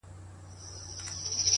• شمع مړه سوه جهاني محفل تمام سو ,